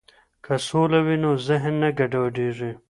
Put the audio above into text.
که سوله وي نو ذهن نه ګډوډیږي.